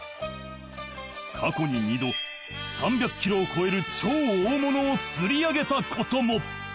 ［過去に２度３００ｋｇを超える超大物を釣り上げたことも］